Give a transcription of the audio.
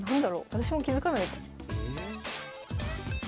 私も気付かないぞ。